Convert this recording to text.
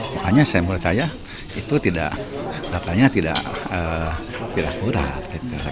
makanya saya percaya itu tidak datanya tidak kurat